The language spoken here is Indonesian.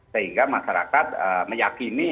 sehingga masyarakat meyakini